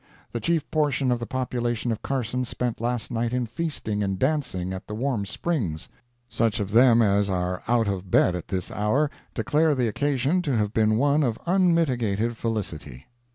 The chief portion of the population of Carson spent last night in feasting and dancing at the Warm Springs. Such of them as are out of bed at this hour, declare the occasion to have been one of unmitigated felicity.